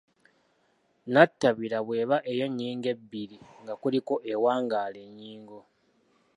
nnatabira bw’eba ey’ennyingo ebbiri nga kuliko ewangaala ennyingo